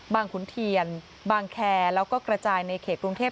ขุนเทียนบางแคร์แล้วก็กระจายในเขตกรุงเทพ